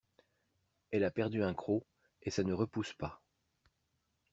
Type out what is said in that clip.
Elle a perdu un croc et ça ne repousse pas.